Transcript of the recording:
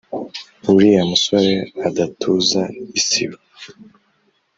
Uriya musore udatuza isibo